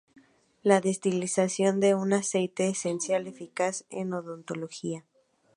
La destilación da un aceite esencial eficaz en odontología.